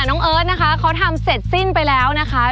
น้องเอิร์ทนะคะเขาทำเสร็จสิ้นไปแล้วนะคะ